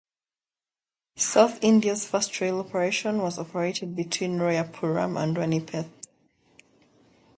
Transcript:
South India's first rail operation was operated between Royapuram to Ranipet.